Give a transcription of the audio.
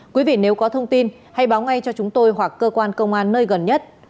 quý vị nếu có thông tin hãy báo ngay cho chúng tôi hoặc cơ quan công an nơi gần nhất